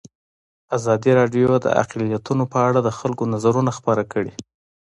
ازادي راډیو د اقلیتونه په اړه د خلکو نظرونه خپاره کړي.